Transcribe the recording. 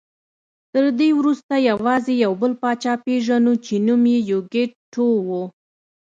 تر دې وروسته یوازې یو بل پاچا پېژنو چې نوم یې یوکیت ټو و